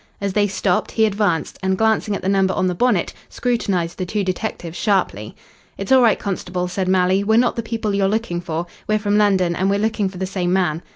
As they stopped, he advanced and, glancing at the number on the bonnet, scrutinised the two detectives sharply. "It's all right, constable," said Malley. "We're not the people you're looking for. We're from London, and we're looking for the same man."